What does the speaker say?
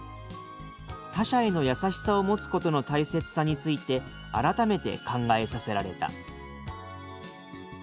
「他者への優しさを持つことの大切さについて改めて考えさせられた」